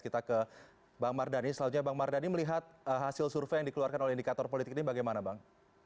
kita ke bang mardhani selanjutnya bang mardhani melihat hasil survei yang dikeluarkan oleh indikator politik ini bagaimana bang